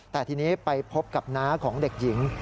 แต่ทีนี้ไปพบกับน้าของเด็กหญิง